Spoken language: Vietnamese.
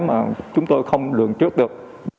mà chúng tôi không lường trước được